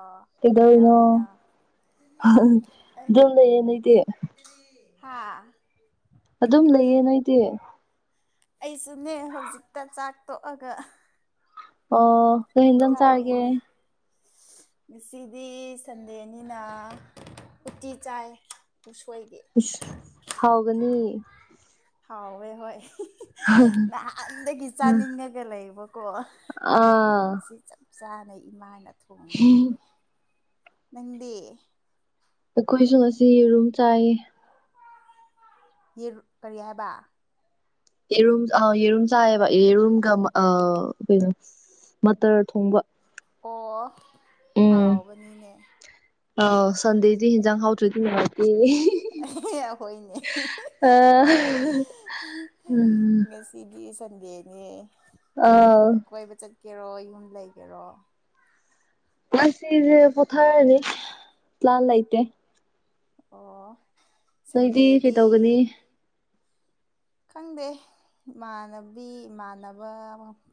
ꯑꯣ ꯀꯩꯗꯧꯔꯤꯅꯣ ꯀꯩꯗꯧꯔꯤꯅ ꯑꯩ ꯑꯗꯨꯝ ꯂꯩꯌꯦ ꯅꯣꯏꯗꯤ ꯍꯥꯥ ꯑꯗꯨꯝ ꯂꯩꯌꯦ ꯅꯣꯏꯗꯤ ꯑꯩꯁꯨꯅꯦ ꯍꯧꯖꯤꯛꯇ ꯆꯥꯛ ꯇꯣꯛꯑꯒ ꯑꯣ ꯀꯩ ꯑꯦꯟꯁꯡ ꯆꯥꯔꯒꯦ ꯄꯣꯊꯥꯔꯤꯅꯦ ꯉꯁꯤꯗꯤ ꯁꯟꯗꯦꯅꯤꯅ ꯎꯇꯤ ꯆꯥꯏ ꯎꯁꯣꯏꯒꯤ ꯎꯁ ꯍꯥꯎꯒꯅꯤ ꯍꯥꯎꯋꯦ ꯍꯣꯏ ꯅꯍꯥꯟꯗꯒꯤ ꯆꯥꯅꯤꯡꯉꯒ ꯂꯩꯕꯀꯣ ꯑꯥ ꯉꯁꯤ ꯆꯞ ꯆꯥꯅ ꯏꯃꯥꯅ ꯊꯣꯡꯕꯤꯌꯦ ꯅꯪꯗꯤ ꯑꯩꯈꯣꯏꯁꯨ ꯉꯁꯤ ꯌꯦꯔꯨꯝ ꯆꯥꯏꯌꯦ ꯌꯦ ꯀꯔꯤ ꯍꯥꯏꯕ ꯌꯦꯔꯨꯝ ꯑ ꯌꯦꯔꯨꯝ ꯆꯥꯏꯌꯦꯕ ꯌꯦꯔꯨꯝꯒ ꯀꯩꯅꯣ ꯃꯠꯇꯔ ꯊꯣꯡꯕ ꯑꯣ ꯍꯥꯎꯕꯅꯤꯅꯦ ꯑꯥꯎ ꯁꯟꯗꯦꯗꯤ ꯌꯦꯟꯁꯥꯡ ꯍꯥꯎꯇꯔꯗꯤ ꯅꯨꯉꯥꯏꯇꯦ ꯑꯩꯈꯣꯏꯅꯦ ꯑ ꯎꯝ ꯁꯤꯗꯤ ꯁꯟꯗꯦꯅꯤ ꯑꯥꯎ ꯀꯣꯏꯕ ꯆꯠꯀꯦꯔꯣ ꯌꯨꯝ ꯂꯩꯒꯦꯔꯣ ꯃꯁꯤ ꯄꯊꯔ ꯑꯦꯅꯤ ꯂꯜ ꯂꯥꯏꯇ ꯑꯣ ꯅꯣꯏꯗꯤ ꯁꯟꯗꯦꯗꯤ ꯀꯩꯇꯧꯒꯅꯤ ꯈꯪꯗꯦ ꯏꯃꯥꯟꯅꯕꯤ ꯏꯃꯥꯟꯅꯕ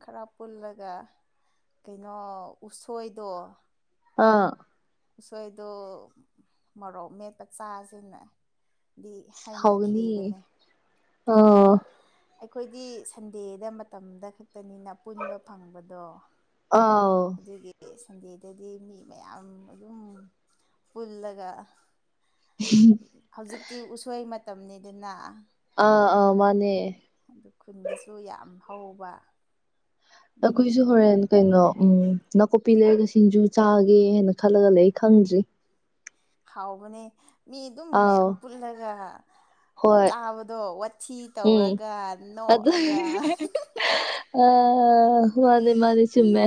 ꯈꯔ ꯄꯨꯜꯂꯒ ꯀꯩꯅꯣ ꯎꯁꯣꯏꯗꯣ ꯑꯥ ꯎꯁꯣꯏꯗꯣ ꯃꯣꯔꯣꯛ ꯃꯦꯠꯄ ꯆꯥꯁꯤꯅꯦ ꯍꯥꯎꯅꯤ ꯑ ꯑꯩꯈꯣꯏꯗꯤ ꯁꯟꯗꯦꯗ ꯃꯇꯝꯗ ꯈꯛꯇꯅꯤꯅ ꯄꯨꯟꯕ ꯐꯪꯕꯗꯣ ꯑꯥꯎ ꯑꯗꯨꯒꯤ ꯁꯟꯗꯦꯗꯗꯤ ꯃꯤ ꯃꯌꯥꯝ ꯑꯗꯨꯝ ꯄꯨꯜꯂꯒ ꯎꯝ ꯍꯧꯖꯤꯛꯇꯤ ꯎꯁꯣꯏ ꯃꯇꯝꯅꯤꯗꯅ ꯑꯥ ꯑꯥ ꯃꯥꯅꯦ ꯑꯗꯨ ꯈꯨꯟꯗꯁꯨ ꯌꯥꯝ ꯍꯧꯕ ꯑꯗꯨꯒꯤ ꯑꯩꯈꯣꯏꯁꯨ ꯍꯣꯔꯦꯟ ꯀꯩꯅꯣ ꯅꯥꯀꯨꯞꯄꯤ ꯂꯩꯔꯒ ꯁꯤꯡꯖꯨ ꯆꯥꯒꯦ ꯍꯥꯏꯅ ꯈꯜꯂꯒ ꯂꯩ ꯈꯪꯗ꯭ꯔꯤ ꯍꯥꯎꯕꯅꯦ ꯃꯤ ꯑꯗꯨꯝ ꯑꯥꯎ ꯃꯌꯥꯝ ꯄꯨꯜꯂꯒ ꯍꯣꯏ ꯆꯥꯕꯗꯣ ꯋꯥꯊꯤ ꯎꯝ ꯇꯧꯔꯒ ꯑꯗꯨ ꯅꯣꯛꯑꯒ ꯑ ꯃꯥꯅꯤ ꯃꯥꯅꯤ ꯆꯨꯝꯃꯦ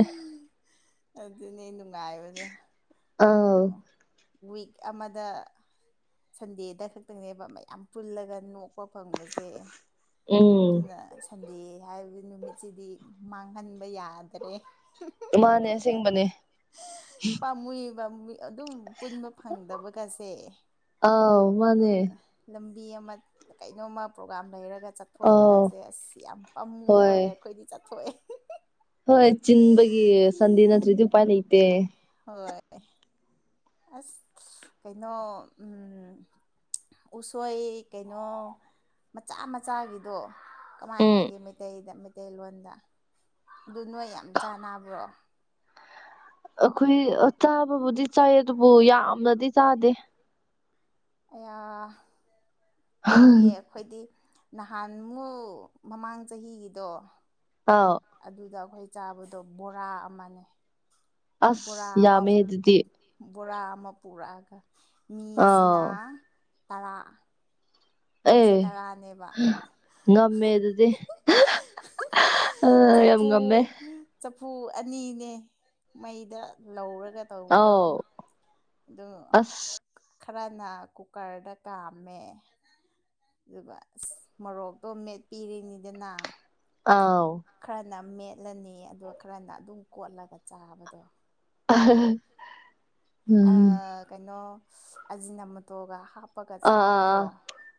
ꯑꯗꯨꯅꯦ ꯅꯨꯡꯉꯥꯏꯕꯗꯣ ꯑꯥꯎ ꯑꯗꯣ ꯋꯤꯛ ꯑꯃꯗ ꯁꯟꯗꯦꯗ ꯈꯛꯇꯪꯅꯦꯕ ꯃꯌꯥꯝ ꯄꯨꯜꯂꯒ ꯅꯣꯛꯄ ꯐꯪꯕꯁꯦ ꯎꯝ ꯑꯗꯨꯅ ꯁꯟꯗꯦ ꯍꯥꯏꯕꯒꯤ ꯅꯨꯃꯤꯠꯁꯤꯗꯤ ꯃꯥꯡꯍꯟꯕ ꯌꯥꯗ꯭ꯔꯦ ꯃꯥꯅꯦ ꯑꯁꯦꯡꯕꯅꯦ ꯨꯕ ꯑꯗꯨꯝ ꯄꯨꯟꯕ ꯐꯪꯗꯕꯒꯁꯦ ꯑꯥꯎ ꯃꯥꯅꯦ ꯀꯩꯅꯣ ꯂꯝꯕꯤ ꯑꯃ ꯀꯩꯅꯣꯝꯃ ꯄ꯭ꯔꯣꯒꯥꯝ ꯂꯩꯔꯒ ꯆꯠ ꯑꯥꯎ ꯆꯥꯊꯣꯛꯄꯒꯥꯁꯦ ꯑꯁ ꯌꯥꯝ ꯍꯣꯏ ꯄꯝꯃꯨꯔꯒ ꯑꯩꯈꯣꯏꯗꯤ ꯆꯠꯊꯣꯛꯑꯦ ꯍꯣꯏ ꯆꯤꯟꯕꯒꯤ ꯁꯟꯗꯤ ꯅꯠꯇ꯭ꯔꯔꯤꯗꯤ ꯎꯄꯥꯏ ꯂꯩꯇꯦ ꯍꯣꯏ ꯑꯁ ꯀꯩꯅꯣ ꯎꯝ ꯎꯁꯣꯏ ꯀꯩꯅꯣ ꯃꯆꯥ ꯃꯆꯥꯒꯤꯗꯣ ꯀꯃꯥꯏ ꯎꯝ ꯍꯥꯏꯒꯦ ꯃꯩꯇꯩꯗ ꯃꯩꯇꯩꯂꯣꯟꯗ ꯑꯗꯨ ꯅꯣꯏ ꯌꯥꯝ ꯆꯥꯟꯅꯕ꯭ꯔꯣ ꯑꯩꯈꯣꯏ ꯆꯥꯕꯕꯨꯗꯤ ꯆꯥꯏ ꯑꯗꯨꯕꯨ ꯌꯥꯝꯅꯗꯤ ꯆꯥꯗꯦ ꯑꯌꯥ ꯄꯥꯝꯃꯨꯌꯦ ꯑꯩꯈꯣꯏꯗꯤ ꯅꯍꯥꯟꯃꯨꯛ ꯃꯃꯥꯡ ꯆꯍꯤꯒꯤꯗꯣ ꯑꯥꯎ ꯑꯗꯨꯗ ꯑꯩꯈꯣꯏ ꯆꯥꯕꯗꯣ ꯕꯣꯔꯥ ꯑꯃꯅꯦ ꯕꯣꯔꯥ ꯑꯁ ꯑꯃ ꯌꯥꯝꯃꯦ ꯑꯗꯨꯗꯤ ꯕꯣꯔꯥ ꯑꯃ ꯄꯨꯔꯛꯑꯒ ꯑꯥꯎ ꯃꯤꯁꯤꯅ ꯇꯔꯥ ꯃꯤꯁꯦ ꯑꯦ ꯇꯔꯥꯅꯦꯕ ꯉꯝꯃꯦ ꯑꯗꯨꯗꯤ ꯑ ꯆꯞꯐꯨ ꯌꯥꯝ ꯉꯝꯃꯦ ꯆꯐꯨ ꯑꯅꯤꯅꯦ ꯃꯩꯗ ꯂꯧꯔꯒ ꯇꯧꯕꯗꯣ ꯑꯥꯎ ꯑꯗꯨ ꯑꯁ ꯈꯔꯅ ꯀꯨꯀꯔꯗ ꯀꯥꯝꯃꯦ ꯑꯗꯨꯒ ꯃꯣꯔꯣꯛꯇꯣ ꯃꯦꯠꯄꯤꯔꯤꯅꯤꯗꯅ ꯑꯥꯎ ꯈꯔꯅ ꯃꯦꯠꯂꯅꯤ ꯑꯗꯨꯒ ꯈꯔꯅ ꯑꯗꯨꯝ ꯀꯣꯠꯂꯒ ꯆꯥꯕꯗꯣ ꯑ ꯑ ꯀꯩꯅꯣ ꯑꯖꯤꯅꯃ ꯇꯣꯒ ꯍꯥꯞ ꯍꯥꯨꯞꯞꯄꯒ ꯑꯥ ꯑꯥ ꯆꯥꯕꯗꯣ ꯑꯥ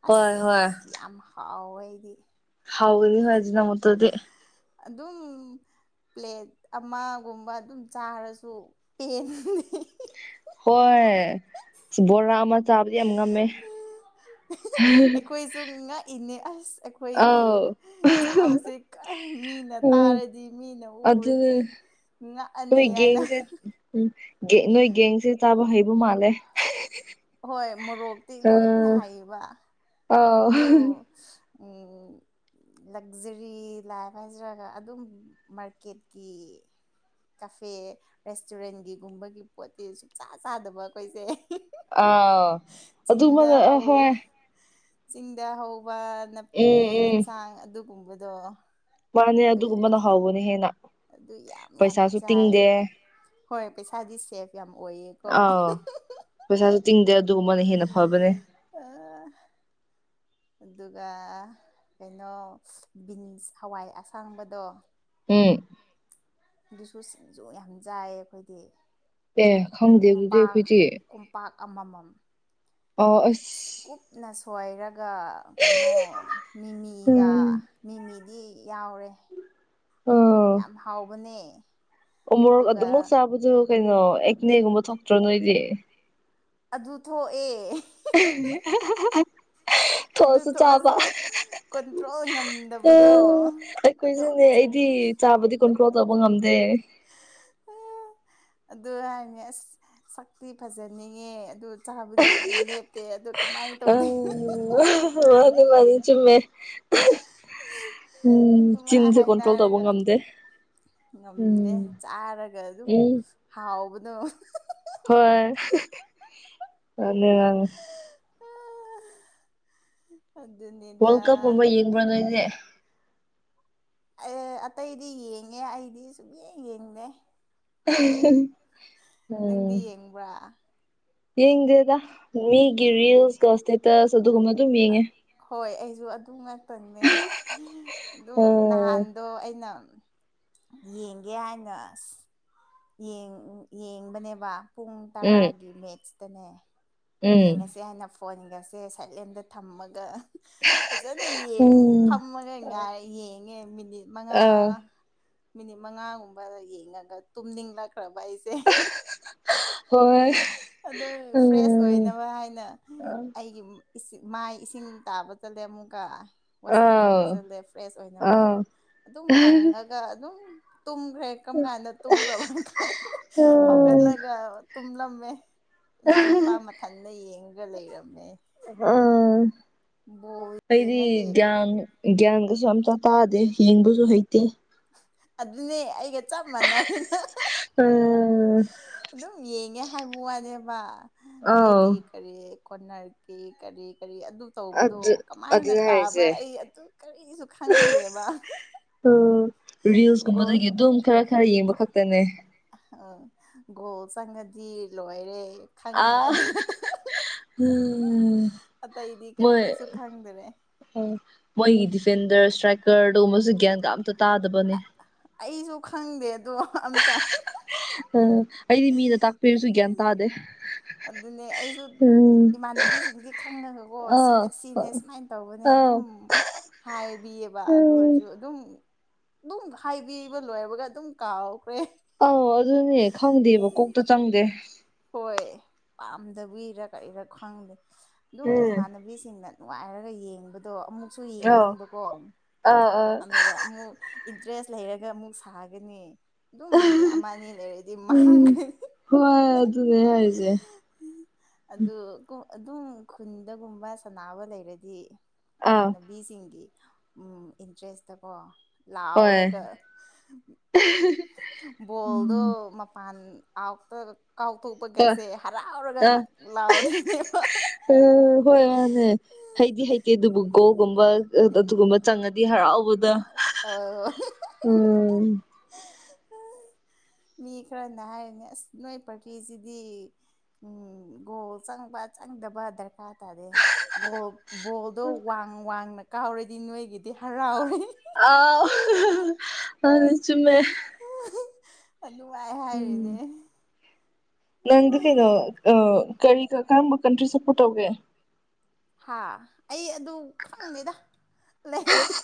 ꯑꯁ ꯍꯣꯏ ꯍꯣꯏ ꯌꯥꯝ ꯍꯥꯎꯋꯦ ꯑꯩꯗꯤ ꯍꯥꯎꯗꯤ ꯍꯖꯤꯅ ꯃꯛꯇꯗꯤꯦ ꯑꯗꯨꯝ ꯄ꯭ꯂꯦꯠ ꯑꯃꯒꯨꯝꯕ ꯑꯗꯨꯝ ꯆꯥꯔꯁꯨ ꯄꯦꯟꯅꯤ ꯍꯣꯏ ꯕꯣꯔꯥ ꯑꯃ ꯆꯥꯕꯗꯤ ꯌꯥꯝ ꯉꯝꯃꯦ ꯑꯩꯈꯣꯏꯁꯨ ꯉꯥꯛꯏꯅꯦ ꯑꯁ ꯑꯩꯈꯣꯏꯒꯤ ꯑꯥꯎ ꯆꯥꯕꯁꯦ ꯃꯤꯅ ꯎꯝ ꯇꯥꯔꯗꯤ ꯃꯤꯅ ꯑꯗꯨ ꯎꯔꯗꯤ ꯉꯥꯛꯑꯅꯤ ꯍꯥꯏꯅ ꯎ ꯅꯣꯏ ꯒꯦꯡꯁꯦ ꯇꯥꯕ ꯍꯩꯕ ꯃꯥꯜꯂꯦ ꯍꯣꯏ ꯃꯣꯔꯣꯛꯇꯤ ꯑ ꯂꯣꯏꯅ ꯍꯥꯏꯌꯦꯕ ꯑꯥꯎ ꯑꯗꯨꯗꯣ ꯎꯝ ꯂꯛꯖꯔꯤ ꯂꯥꯏꯐ ꯍꯥꯏꯖꯔꯒ ꯑꯗꯨꯝ ꯃꯥꯔꯀꯦꯠꯀꯤ ꯀꯐꯦ ꯔꯦꯁꯇꯨꯔꯦꯟꯒꯤꯒꯨꯝꯕꯒꯤ ꯄꯣꯠꯇꯤ ꯁꯨꯡꯆꯥ ꯆꯥꯗꯕ ꯑꯩꯈꯣꯏꯁꯦ ꯑꯥ ꯑꯗꯨꯕꯅ ꯆꯤꯡꯗ ꯑ ꯍꯧ ꯍꯣꯏ ꯆꯤꯡꯗ ꯍꯧꯕ ꯅꯥꯄꯤ ꯎꯝ ꯎꯝ ꯑꯦꯟꯁꯥꯡ ꯑꯗꯨꯒꯨꯝꯕꯗꯣ ꯃꯥꯅꯦ ꯑꯗꯨ ꯑꯗꯨꯒꯨꯝꯕꯅ ꯍꯥꯎꯕꯅꯦ ꯍꯦꯟꯅ ꯑꯗꯨ ꯌꯥꯝ ꯌꯥꯝ ꯄꯩꯁꯥꯁꯨ ꯆꯥꯏ ꯇꯤꯡꯗꯦ ꯍꯣꯏ ꯄꯩꯁꯥꯗꯤ ꯁꯦꯐ ꯌꯥꯝ ꯑꯣꯏꯌꯦꯀꯣ ꯑꯥꯎ ꯄꯩꯁꯥꯁꯨ ꯇꯤꯡꯗꯦ ꯑꯗꯨꯒꯨꯝꯕꯅ ꯍꯦꯟꯅ ꯐꯕꯅꯦ ꯑ ꯑꯗꯨꯒ ꯀꯩꯅꯣ ꯕꯤꯟꯁ ꯍꯋꯥꯏ ꯑꯁꯥꯡꯕꯗꯣ ꯑꯝ ꯑꯗꯨꯁꯨ ꯁꯤꯡꯖꯨ ꯌꯥꯝ ꯌꯆꯥꯏ ꯑꯩꯈꯣꯏꯗꯤ ꯑꯦ ꯈꯪꯗꯦ ꯑꯗꯨꯗꯤ ꯀꯨꯝꯝꯄꯥꯛ ꯑꯩꯈꯣꯏꯗꯤ ꯀꯨꯝꯝꯄꯥꯛ ꯑꯃꯃꯝ ꯑꯣ ꯁ ꯀꯨꯞ ꯅ ꯁꯣꯏꯔꯒ ꯀꯩꯅꯣ ꯃꯤꯃꯤꯒ ꯎꯝ ꯃꯤꯃꯤꯗꯤ ꯌꯥꯎꯔꯦ ꯑ ꯌꯥꯝ ꯍꯥꯎꯕꯅꯦ ꯃꯣꯔꯣꯛ ꯑꯗꯨꯒ ꯑꯗꯨꯝꯃꯛ ꯆꯥꯕꯗꯨ ꯀꯩꯅꯣ ꯑꯦꯛꯅꯦꯒꯨꯝꯕ ꯊꯣꯛꯇ꯭ꯔꯣ ꯅꯣꯏꯗꯤ ꯑꯗꯨ ꯊꯣꯛꯑꯦ [inaudible] ꯑꯗꯨ ꯆꯥꯕ ꯊꯣꯛꯑꯁꯨ ꯀꯣꯟꯇ꯭ꯔꯣꯜ ꯑ ꯉꯝꯗꯕꯗꯣ ꯑꯗꯨꯝ ꯑꯩꯈꯣꯏꯁꯨꯅꯦ ꯑꯩꯗꯤ ꯆꯥꯕꯗꯤ ꯀꯟꯇ꯭ꯔꯣꯜ ꯇꯧꯕ ꯉꯝꯗꯦ ꯑꯗꯨ ꯑꯗꯨ ꯍꯥꯏꯁ ꯁꯛꯇꯤ ꯐꯖꯅꯤꯡꯉꯦ ꯑꯗꯨ ꯆꯥꯕꯨꯗꯤ ꯀꯩ ꯂꯦꯞꯇꯦ ꯑꯗꯨ ꯀꯃꯥꯏꯅ ꯑꯪ ꯇꯧꯗꯣꯏꯅꯣ ꯃꯥꯅꯤ ꯃꯥꯅꯤ ꯆꯨꯝꯃꯦ ꯎꯝ ꯑꯗꯨꯃꯥꯏ ꯆꯤꯟꯁꯦ ꯀꯣꯟꯇ꯭ꯔꯣꯜ ꯇꯧꯕ ꯍꯥꯏꯅꯔꯒ ꯉꯝꯗꯦ ꯎꯝ ꯉꯝꯗꯦ ꯆꯥꯔꯒ ꯑꯗꯨꯝ ꯎꯝ ꯍꯥꯎꯕꯗ ꯍꯣꯏ ꯑꯗꯨ ꯑꯗꯨꯅꯤ ꯋꯥꯔꯜ ꯀꯞꯀꯨꯝꯕ ꯌꯦꯡꯕ꯭ꯔꯥ ꯅꯣꯏꯗꯦ ꯑꯦ ꯑꯇꯩꯗꯤ ꯌꯦꯡꯉꯦ ꯑꯩꯗꯤ ꯁꯨꯡꯌꯦꯡ ꯌꯦꯡꯗꯦ ꯎꯝ ꯅꯪꯗꯤ ꯌꯦꯡꯕ꯭ꯔꯥ ꯌꯦꯡꯗꯦꯗ ꯃꯤꯒꯤ ꯔꯤꯜꯁꯀ ꯏꯁꯇꯦꯇꯁ ꯑꯗꯨꯒꯨꯝꯕ ꯑꯗꯨꯝ ꯌꯦꯡꯉꯦ ꯍꯣꯏ ꯑꯩꯁꯨ ꯑꯗꯨ ꯉꯥꯛꯇꯅꯦ ꯑꯗꯨꯝ ꯑꯥ ꯅꯍꯥꯟ ꯑꯗꯣ ꯑꯩꯅ ꯌꯦꯡꯒꯦ ꯍꯥꯏꯅ ꯌꯦꯡꯕꯅꯦꯕ ꯄꯨꯡ ꯎꯝ ꯇꯔꯥꯒꯤ ꯃꯦꯠꯁꯇꯅꯦ ꯎꯝ ꯌꯦꯡꯉꯁꯦ ꯍꯥꯏꯅ ꯐꯣꯟꯒꯁꯦ ꯁꯥꯏꯠꯂꯦꯟꯗ ꯊꯝꯃꯒ ꯐꯖꯅ ꯎꯝ ꯐꯝꯃꯒ ꯉꯥꯏꯔ ꯌꯦꯡꯉꯦ ꯃꯤꯅꯤꯠ ꯃꯉꯥ [inaudible] ꯃꯤꯅꯤꯠ ꯃꯉꯥꯒꯨꯝꯕ ꯌꯦꯡꯉꯒ ꯇꯨꯝꯅꯤꯡꯂꯛꯈ꯭ꯔꯕ ꯑꯩꯁꯦ [unintelligible] ꯑꯗꯨ ꯐ꯭ꯔꯦꯁ ꯎꯝ ꯑꯣꯏꯅꯕ ꯍꯥꯏꯅ ꯑꯥ ꯑꯩꯒꯤ ꯁꯤꯡ ꯃꯥꯏ ꯏꯁꯤꯡ ꯇꯥꯕ ꯆꯠꯂꯦ ꯑꯃꯨꯛꯀ ꯋꯥꯁꯑꯞ ꯑꯥ ꯇꯧꯕꯁꯤꯠꯂꯦ ꯐ꯭ꯔꯦꯁ ꯑꯣꯏꯅꯕ ꯍꯥꯏꯅ ꯑꯥ ꯑꯗꯨꯝ ꯀꯪꯉꯒ ꯑꯗꯨꯝ ꯇꯨꯝꯈ꯭ꯔꯦ ꯀꯔꯝ ꯀꯥꯟꯗ ꯇꯨꯝꯈ꯭ꯔꯕ ꯍꯧꯒꯠꯂꯒ ꯇꯨꯝꯂꯝꯃꯦ ꯏꯅꯥꯎꯅꯨꯄꯥ ꯃꯊꯟꯇ ꯌꯦꯡꯒ ꯂꯩꯔꯝꯃꯦ ꯑꯝ ꯕꯣꯜ ꯑꯩꯗꯤ ꯌꯦꯡꯉꯗꯤ ꯒꯌꯥꯟ ꯒ꯭ꯌꯥꯟꯒꯁꯨ ꯑꯝꯇ ꯇꯥꯗꯦ ꯌꯦꯡꯕꯁꯨ ꯍꯩꯇꯦ ꯑꯗꯨꯅꯦ ꯑꯩꯒ ꯆꯞ ꯃꯥꯟꯔꯤꯅ ꯎꯝ ꯑꯗꯨꯝ ꯌꯦꯡꯉꯦ ꯍꯥꯏꯕ ꯋꯥꯅꯦꯕ ꯑꯥꯎ ꯃꯣꯏꯒꯤ ꯀꯔꯤ ꯀꯣꯠꯅꯔꯛꯈꯤ ꯀꯔꯤ ꯀꯔꯤ ꯑꯗꯨ ꯇꯧꯕꯗꯣ ꯑꯗꯨ ꯀꯃꯥꯏꯅ ꯑꯗꯨꯅꯦ ꯇꯥꯕ꯭ꯔꯥ ꯍꯥꯏꯔꯤꯁꯦ ꯑꯩ ꯑꯗꯨ ꯀꯔꯤꯁꯨ ꯈꯪꯗꯦꯕ ꯑꯣ ꯒꯣꯜ ꯔꯤꯜꯁꯀꯨꯝꯕꯗꯒꯤ ꯑꯗꯨꯝ ꯈꯔ ꯈꯔ ꯌꯦꯡꯕ ꯈꯛꯇꯅꯦ ꯑ ꯒꯣꯜ ꯆꯪꯉꯗꯤ ꯂꯣꯏꯔꯦ ꯈꯪꯉꯦ ꯑꯗꯨ ꯎꯝ ꯑꯇꯩꯗꯤ ꯃꯣꯏ ꯀꯔꯤꯁꯨ ꯈꯪꯗꯔꯦ ꯑꯣ ꯃꯣꯏꯒꯤ ꯗꯤꯐꯦꯟꯗꯔ ꯏꯁꯇ꯭ꯔꯥꯏꯀꯔꯗꯕꯁꯨ ꯒ꯭ꯌꯥꯟ ꯀ ꯑꯇ ꯇꯥꯗꯕꯅꯦ ꯑꯩꯁꯨ ꯈꯪꯗꯦ ꯑꯗꯣ ꯑꯝꯇ ꯑ ꯑꯩꯗꯤ ꯃꯤꯗ ꯇꯥꯛꯄꯤꯔꯁꯨ ꯒ꯭ꯌꯥꯟ ꯇꯥꯗꯦ ꯑꯗꯨꯅꯦ ꯑꯩꯁꯨ ꯎꯝ ꯏꯃꯥꯟꯅꯕꯤꯁꯤꯡꯗꯤ ꯈꯪꯉꯒꯀꯣ ꯑꯥ ꯁꯤꯅꯦ ꯁꯤꯅꯦ ꯁꯨꯃꯥꯏꯅ ꯇꯧꯕꯅꯦ ꯑꯥ ꯑꯗꯨꯝ ꯍꯥꯏꯕꯤꯌꯦꯕ ꯑꯗꯨ ꯎꯝ ꯑꯣꯏꯔꯁꯨ ꯑꯗꯨꯝ ꯑꯗꯨꯝ ꯍꯥꯏꯕꯤꯕ ꯂꯣꯏꯔꯕꯒ ꯑꯗꯨꯝ ꯀꯥꯎꯈ꯭ꯔꯦ ꯑꯥꯎ ꯑꯗꯨꯅꯦ ꯈꯪꯗꯦꯕ ꯀꯣꯛꯇ ꯆꯪꯗꯦ ꯍꯣꯏ ꯄꯥꯝꯗ ꯎꯏꯔ ꯀꯏꯔꯥ ꯈꯪꯗꯦ ꯑꯗꯨꯝ ꯎꯝ ꯏꯃꯥꯟꯅꯕꯤꯁꯤꯡꯅ ꯅꯨꯡꯉꯥꯏꯔꯒ ꯌꯦꯡꯕꯗꯣ ꯑꯃꯨꯛꯁꯨ ꯑꯧ ꯌꯦꯡꯅꯤꯡꯕꯀꯣ ꯑꯥ ꯑꯥ ꯑꯗꯨꯒ ꯑꯃꯨꯛ ꯏꯟꯇꯔꯦꯁ ꯂꯩꯔꯒ ꯑꯃꯨꯛ ꯁꯥꯒꯅꯤ ꯑꯗꯨꯝ ꯃꯤꯅꯤꯠ ꯑꯃ ꯑꯅꯤ ꯂꯩꯔꯗꯤ ꯎꯝ ꯃꯥꯡꯈꯦ ꯍꯣꯏ ꯑꯗꯨꯅꯦ ꯍꯥꯏꯁꯦ ꯑꯗꯨ ꯑꯗꯨꯝ ꯈꯨꯟꯗꯒꯨꯝꯕ ꯁꯥꯟꯅꯕ ꯂꯩꯔꯗꯤ ꯑꯥ ꯏꯃꯥꯟꯅꯕꯤ ꯕꯤꯁꯤꯡꯒꯤ ꯎ ꯏꯟꯇꯔꯦꯁꯇ ꯀꯣ ꯍꯣꯏ ꯂꯥꯎꯔꯒ ꯕꯣꯜꯗꯣ ꯎꯝ ꯃꯄꯥꯟ ꯀꯥꯎꯇ ꯍꯣꯏ ꯀꯥꯎꯊꯣꯛꯄꯒꯩꯁꯦ ꯍꯔꯥꯎꯔꯒ ꯂꯥꯎꯗꯅꯦꯕ ꯎ ꯍ ꯃꯥꯅꯦ ꯍꯩꯗꯤ ꯍꯩꯇꯦ ꯑꯗꯨꯕꯨ ꯀꯣꯒꯨꯝꯕ ꯑꯗꯨꯒꯨꯝꯕ ꯆꯪꯉꯗꯤ ꯍꯔꯥꯎꯕꯗ ꯑꯣ ꯎꯝ ꯃꯤ ꯈꯔꯅ ꯍꯥꯏꯔꯅꯦ ꯑꯁ ꯅꯣꯏ ꯄꯔꯀꯤ꯭ꯁꯤꯗꯤ ꯎꯝ ꯒꯣꯜ ꯆꯪꯕ ꯆꯪꯗꯕ ꯗꯔꯀꯥꯔ ꯇꯥꯔꯦ ꯒꯣꯜ ꯕꯣꯜꯗꯣ ꯋꯥꯡ ꯋꯥꯡꯅ ꯀꯥꯎꯔꯗꯤ ꯅꯣꯏꯒꯤꯗꯤ ꯍꯔꯥꯎꯔꯦ ꯑ ꯑ ꯆꯨꯝꯃꯦ ꯅꯨꯡꯉꯥꯏ ꯎꯝ ꯍꯥꯏꯔꯤꯅꯦ ꯅꯪꯗꯤ ꯀꯩꯅꯣ ꯀꯔꯤ ꯀ ꯀꯔꯝꯕ ꯀꯟꯇ꯭ꯔꯤ ꯁꯄꯣꯔꯠ ꯇꯧꯒꯦ ꯍꯥ ꯑꯩ ꯑꯗꯨ ꯈꯪꯗꯦꯗ ꯂꯩꯇꯦ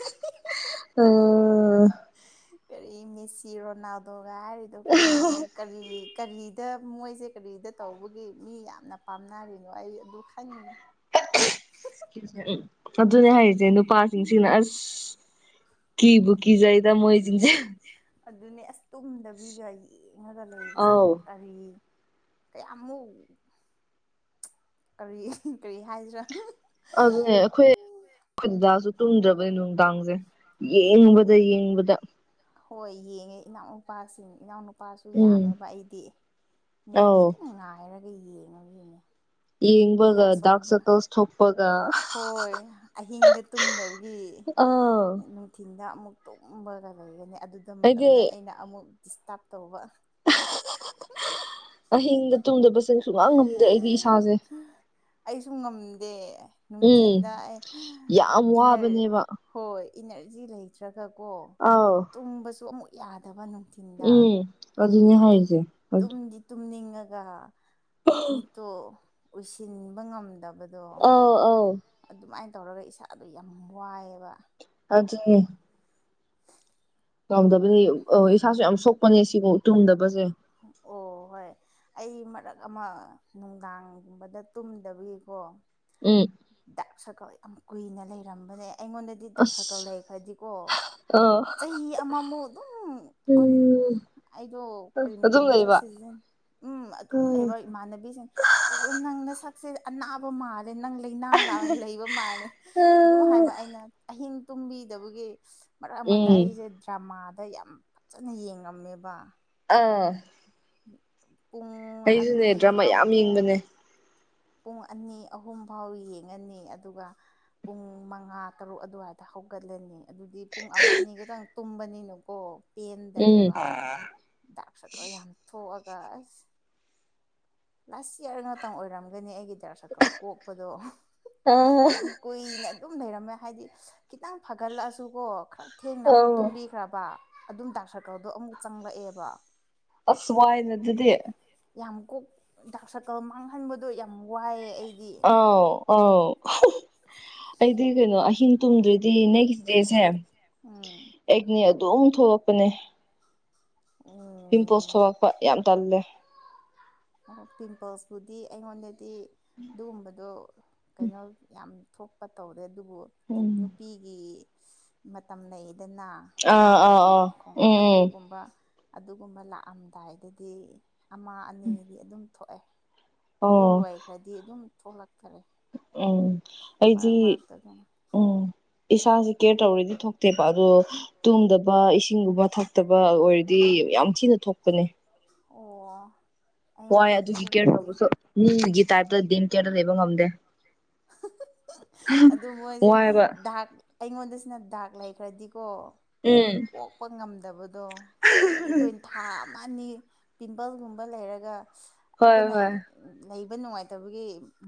ꯀꯔꯤ ꯃꯦꯁꯤꯔꯣꯅꯥꯎꯗꯣꯒ ꯍꯥꯏꯔꯤꯗꯣ ꯀꯔꯤꯅꯣ ꯀꯔꯤ ꯀꯔꯤ ꯗ ꯃꯣꯏꯁꯦ ꯀꯔꯤꯗ ꯇꯧꯕꯒꯤ ꯃꯤ ꯌꯥꯝꯅ ꯄꯥꯝꯅꯔꯤꯅꯣ ꯑꯩ ꯑꯗꯨ ꯈꯪꯅꯤꯡꯉꯦ ꯎꯝ ꯑꯗꯨꯅꯦ ꯍꯥꯏꯔꯤꯁꯦ ꯅꯨꯄꯥꯁꯤꯡꯁꯤꯅ ꯑꯁ ꯀꯤꯕꯨꯀꯤ ꯖꯩꯗ ꯃꫭꯏ ꯁꯤꯡꯁꯦ ꯑꯗꯨꯅꯦ ꯑꯁ ꯇꯨꯝꯗꯕꯤꯒ ꯌꯦꯡꯉꯒ ꯂꯩꯕꯁꯦ ꯑꯧ ꯀꯔꯤ ꯀ ꯑꯃꯃꯨ ꯀꯔꯤ ꯀꯔꯤ ꯍꯥꯏꯁꯤ꯭ꯔꯥ ꯑꯗꯨꯅꯦ ꯑꯩꯈꯣꯏ ꯑꯩꯈꯣꯏꯗꯥꯁꯨ ꯇꯨꯝꯗ꯭ꯔꯕꯅꯦ ꯅꯨꯡꯗꯥꯡꯁꯦ ꯌꯦꯡꯕꯗ ꯌꯦꯡꯕꯗ ꯍꯣꯏ ꯌꯦꯡꯉꯦ ꯏꯅꯥꯎꯄꯥꯁꯤꯡ ꯏꯅꯥꯎꯅꯨ ꯅꯨꯄꯥꯁꯨ ꯎꯝ ꯌꯥꯝꯃꯦꯕ ꯑꯩꯗꯤ ꯃꯣꯏꯗꯤ ꯑꯧ ꯑꯗꯨꯝ ꯉꯥꯏꯔꯒ ꯌꯦꯡꯉꯃꯤꯅꯦ ꯌꯦꯡꯕꯒ ꯗꯥꯥꯛꯁ ꯁꯔꯀ꯭ꯜꯁ ꯊꯣꯛꯄꯒ ꯍꯣꯏ ꯑꯍꯤꯡꯗ ꯇꯨꯝꯗꯕꯒꯤ ꯑꯥ ꯅꯨꯡꯊꯤꯟꯗ ꯑꯃꯨꯛ ꯇꯨꯝꯕꯒ ꯂꯩꯒꯅꯤ ꯑꯗꯨꯗ ꯑꯩꯗꯤ ꯃꯇꯝꯗ ꯑꯩꯅ ꯑꯃꯨꯛ ꯗꯤꯁꯇ꯭ꯔꯕ ꯇꯧꯕ [inaudible] ꯑꯍꯤꯡꯗ ꯇꯨꯝꯗꯕꯁꯦ ꯁꯨꯡꯉꯥꯝ ꯉꯝꯗꯦ ꯑꯩꯗꯤ ꯏꯁꯥꯖꯦ ꯑꯩꯁꯨ ꯉꯝꯗꯦ ꯎꯝ ꯅꯨꯡꯊꯤꯟꯗ ꯑꯩ ꯌꯥꯝ ꯏꯟꯅꯔ ꯋꯥꯕꯅꯦꯕ ꯍꯣꯏ ꯏꯅꯔꯖꯤ ꯂꯩꯇ꯭ꯔꯒ ꯀꯣ ꯑꯥꯎ ꯇꯨꯝꯕꯁꯨ ꯑꯃꯨꯛ ꯌꯥꯗꯕ ꯅꯨꯡꯊꯤꯟꯗ ꯎꯝ ꯑꯗꯨꯅꯦ ꯇꯨꯝ ꯍꯥꯏꯁꯦ ꯑꯗꯨ ꯇꯨꯝꯗꯤ ꯇꯨꯝꯅꯤꯡꯉꯒ ꯃꯤꯠꯇꯣ ꯎꯏꯁꯤꯟꯕ ꯉꯝꯗꯕ ꯑꯗꯣ ꯑꯧ ꯑꯗꯨꯃꯥꯏꯅ ꯇꯧꯔꯒ ꯏꯁꯥꯗꯣ ꯌꯥꯝ ꯋꯥꯏꯑꯦꯕ ꯑꯗꯨꯅꯤ ꯌꯥꯧꯗꯕꯅꯤ ꯑ ꯏꯁꯥꯁꯨ ꯌꯥꯝ ꯁꯣꯛꯄꯅꯦ ꯁꯤꯕꯨ ꯇꯨꯝꯗꯕꯖꯦ ꯑꯣ ꯍꯣꯏ ꯑꯩ ꯃꯔꯛ ꯑꯃ ꯅꯨꯡꯗꯥꯡꯒꯨꯝꯕꯗ ꯇꯨꯝꯗꯕꯤꯒꯤꯀꯣ ꯎꯝ ꯗꯥꯛ ꯁꯔꯀꯜ ꯌꯥꯝ ꯀꯨꯏꯅ ꯂꯩꯔꯝꯕꯅꯦ ꯑꯩꯉꯣꯟꯗ ꯗꯤ ꯗꯥꯛ ꯁꯀꯜ ꯑꯁ ꯂꯩ ꯈ꯭ꯔꯔꯗꯤꯀꯣ ꯑ ꯆꯍꯤ ꯑꯃꯃꯨꯛ ꯑꯗꯨꯝ ꯀꯩꯅꯣ ꯎꯝ ꯑꯩꯗꯣ ꯑꯗꯨꯝ ꯀ꯭ꯔꯤꯝꯒꯨꯝꯕꯁꯨ ꯂꯩꯕ ꯁꯤꯖꯤꯟ ꯎꯝ ꯑꯗꯨꯝ ꯎꯝ ꯂꯩꯕ ꯏꯃꯥꯟꯅꯕꯤꯁꯤꯡꯅ ꯀꯩꯅꯣ ꯅꯪ ꯅꯁꯛꯁꯦ ꯑꯅꯥꯕ ꯃꯥꯜꯂꯦ ꯅꯪꯒꯤ ꯂꯩꯅꯥ ꯂꯩꯕ ꯃꯥꯜꯂꯦ ꯑꯗꯨꯝ ꯍꯥꯏꯕ ꯑꯩꯅ ꯑꯍꯤꯡ ꯇꯨꯝꯕꯤꯗꯕꯒꯤ ꯃꯔꯛ ꯑꯃꯗ ꯎꯝ ꯑꯩꯁꯦ ꯗ꯭ꯔꯃꯥꯗ ꯌꯥꯝ ꯐꯖꯅ ꯌꯦꯡꯉꯝꯃꯦꯕ ꯑꯥ ꯄꯨꯡ ꯑꯅꯤ ꯑꯩꯁꯨꯅꯦ ꯗ꯭ꯔꯃꯥ ꯌꯥꯝ ꯑꯍꯨꯝ ꯌꯦꯡꯕꯅꯦ ꯄꯨꯡ ꯑꯅꯤ ꯑꯍꯨꯝ ꯐꯥꯎ ꯌꯦꯡꯉꯅꯤ ꯑꯗꯨꯒ ꯄꯨꯡ ꯃꯉꯥ ꯇꯔꯨꯛ ꯑꯗꯨꯋꯥꯏꯗ ꯍꯧꯒꯠꯂꯅꯤ ꯑꯗꯨꯗꯤ ꯄꯨꯡ ꯑꯃ ꯑꯅꯤꯒꯇꯪ ꯇꯨꯝꯕꯅꯤꯅꯀꯣ ꯎꯝ ꯄꯦꯟꯗꯔꯦꯕ ꯑ ꯗꯥꯛ ꯁꯥꯔꯀꯜ ꯌꯥꯝ ꯊꯣꯛꯑꯒ ꯑꯁ ꯂꯥꯁ ꯏꯌꯔ ꯉꯥꯛꯇꯪ ꯑꯣꯏꯔꯝꯒꯅꯤ ꯑꯩꯒꯤꯗꯤ ꯗꯥꯥꯛ ꯁꯥꯔꯀꯜ ꯀꯣꯛꯄꯗꯣ ꯌꯥꯝ ꯀꯨꯏꯅ ꯑꯗꯨꯝ ꯂꯩꯔꯝꯃꯦ ꯍꯥꯏꯗꯤ ꯈꯤꯇꯪ ꯐꯒꯠꯂꯛꯑꯁꯨꯀꯣ ꯈꯔ ꯊꯦꯡꯅ ꯑ ꯑꯃꯨꯛ ꯇꯨꯝꯕꯤ ꯈ꯭ꯔꯕ ꯑꯗꯨꯝ ꯗꯥꯛꯁꯔꯀꯜꯗꯣ ꯑꯃꯨꯛ ꯆꯪꯂꯛꯑꯦꯕ ꯑꯁ ꯋꯥꯏꯗ ꯑꯗꯨꯗꯤ ꯌꯥꯝ ꯀꯣꯛ ꯗꯥꯛ ꯁꯔꯀꯜ ꯃꯥꯡꯍꯟꯕꯗꯣ ꯌꯥꯝ ꯋꯥꯏꯑꯦ ꯑꯩꯗꯤ ꯑꯥꯎ ꯑꯥꯎ ꯑꯩꯗꯤ ꯀꯩꯅꯣ ꯑꯍꯤꯡ ꯇꯨꯝꯗ꯭ꯔꯗꯤ ꯅꯒꯤꯆꯦꯁꯦ ꯎꯝ ꯑꯦꯛꯅꯤ ꯑꯗꯨꯝ ꯊꯣꯛꯂꯛꯄꯅꯦ ꯄꯤꯝꯄ꯭ꯜꯁ ꯊꯣꯛꯂꯛꯄ ꯌꯥꯝ ꯇꯜꯂꯦ ꯄꯤꯝꯄ꯭ꯜꯁꯄꯨꯗꯤ ꯑꯩꯉꯣꯟꯗꯗꯤ [unintelligible] ꯑꯗꯨꯒꯨꯝꯕꯗꯣ ꯀꯩꯅꯣ ꯌꯥꯝ ꯊꯣꯛꯄ ꯇꯧꯔꯦ ꯑꯗꯨꯕꯨ ꯎꯝ ꯅꯨꯄꯤ ꯑꯩ ꯒꯤ ꯃꯇꯝ ꯂꯩꯗꯅ ꯑꯥ ꯑꯥ ꯊꯥꯒꯤ ꯑꯥ ꯈꯣꯡꯀꯥꯞ ꯎꯝ ꯎꯝ ꯑꯗꯨꯒꯨꯝꯕ ꯑꯗꯨꯒꯨꯝꯕ ꯂꯥꯛꯑꯝꯗꯥꯏꯗꯗꯤ ꯑꯃ ꯑꯅꯤꯗꯤ ꯑꯗꯨꯝ ꯊꯣꯛꯑꯦ ꯑꯗꯨ ꯑꯣ ꯂꯣꯏꯈ꯭ꯔꯗꯤ ꯑꯗꯨꯝ ꯊꯣꯛꯂꯛꯇꯔꯦ ꯎꯝ ꯃꯔꯛ ꯑꯩꯗꯤ ꯃꯔꯛꯇ ꯑꯗꯨꯝ ꯎꯝ ꯏꯁꯥꯁꯤ ꯀꯦꯌꯔ ꯇꯧꯔꯗꯤ ꯊꯣꯛꯇꯦꯕ ꯑꯗꯣ ꯇꯨꯝꯗꯕ ꯏꯁꯤꯡꯒꯨꯝꯕ ꯊꯛꯇꯕ ꯑꯣꯏꯔꯗꯤ ꯌꯥꯝ ꯊꯤꯅ ꯊꯣꯛꯄꯅꯦ ꯑꯣ ꯍꯣꯏ ꯑꯩꯉꯣꯟꯗ ꯑꯗꯨꯒꯤ ꯀꯦꯌꯔ ꯑꯗꯨꯒꯨꯝꯕꯗꯤ ꯇꯧꯕꯁꯨ ꯃꯤꯒꯤ ꯇꯥꯏꯞꯇ ꯗꯤꯝ ꯀꯦꯌꯔꯗ ꯂꯩꯕ ꯉꯝꯗꯦ [inaudible] ꯑꯗꯨ ꯃꯣꯏꯁꯦ ꯋꯥꯏꯕ ꯗꯥꯛ ꯑꯩꯉꯣꯟꯗꯁꯤꯅ ꯗꯥꯛ ꯂꯩꯈ꯭ꯔꯗꯤꯀꯣ ꯎꯝ ꯑꯣꯛꯄ ꯉꯝꯗꯕꯗ ꯑꯗꯣ ꯀꯨꯏ ꯀꯨꯏꯅ ꯊꯥ ꯑꯃꯅꯤ ꯑ ꯄꯤꯝꯄꯜꯒꯨꯝꯕ ꯂꯩꯔꯒ ꯍꯣꯏ ꯑꯩꯈꯣꯏꯅ ꯍꯣꯏ ꯂꯩꯕ ꯅꯨꯡꯉꯥꯏꯇꯕꯒꯤ